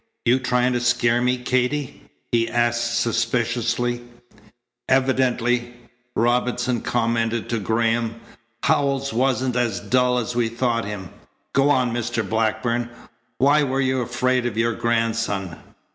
"You trying to scare me, Katy?" he asked suspiciously. "Evidently," Robinson commented to Graham, "Howells wasn't as dull as we thought him. Go on, Mr. Blackburn. Why were you afraid of your grandson?"